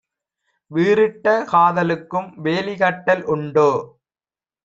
வீறிட்ட காதலுக்கும் வேலிகட்டல் உண்டோ?